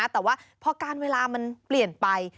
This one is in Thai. แต่ว่าพอการเวลามันเปลี่ยนไป